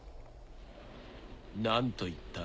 何と言った？